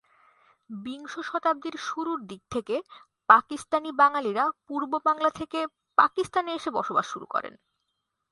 বিংশ শতাব্দীর শুরুর দিক থেকে পাকিস্তানি বাঙালিরা পূর্ব বাংলা থেকে পাকিস্তানে এসে বসবাস শুরু করেন।